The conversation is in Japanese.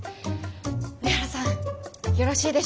上原さんよろしいでしょうか？